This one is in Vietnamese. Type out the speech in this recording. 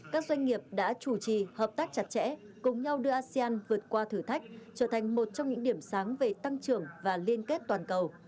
các doanh nghiệp đã chủ trì hợp tác chặt chẽ cùng nhau đưa asean vượt qua thử thách trở thành một trong những điểm sáng về tăng trưởng và liên kết toàn cầu